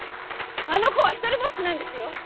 あの子はひとりぼっちなんですよ！